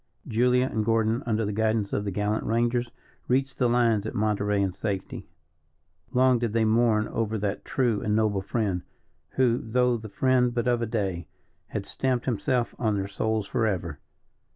Julia and Gordon, under the guidance of the gallant rangers, reached the lines at Monterey in safety. Long did they mourn over that true and noble friend, who, though the friend but of a day, had stamped himself on their souls forever.